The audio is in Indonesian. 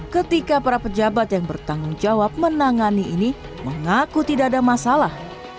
ketika para pejabat yang bertanggung jawab menangani ini mengaku tidak ada masalah